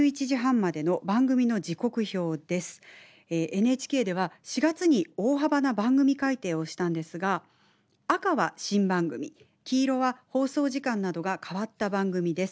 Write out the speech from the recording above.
ＮＨＫでは４月に大幅な番組改定をしたんですが赤は新番組黄色は放送時間などが変わった番組です。